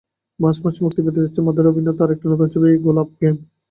March মাসেই মুক্তি পেতে যাচ্ছে মাধুরী অভিনীত আরেকটি নতুন ছবি গুলাব গ্যাং।